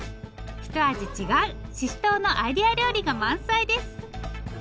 一味違うししとうのアイデア料理が満載です。